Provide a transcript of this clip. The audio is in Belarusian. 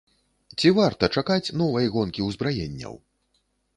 Ці варта чакаць новай гонкі ўзбраенняў?